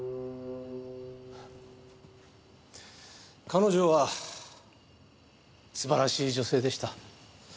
彼女は素晴らしい女性でした。